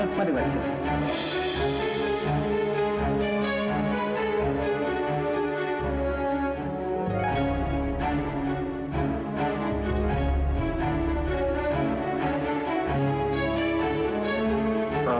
eh mari mari siap